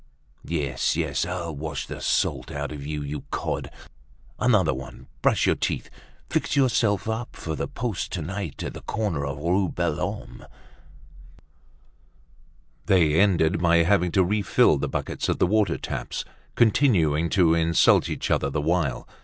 "Yes, yes, I'll wash the salt out of you, you cod!" "Another one! Brush your teeth, fix yourself up for your post to night at the corner of the Rue Belhomme." They ended by having to refill the buckets at the water taps, continuing to insult each other the while.